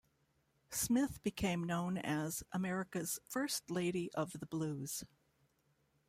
Smith became known as "America's First Lady of the Blues".